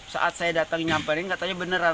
saat saya datang nyamperin katanya beneran